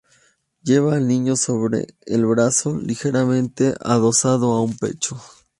Lleva el niño sobre el brazo, ligeramente adosado a un pecho.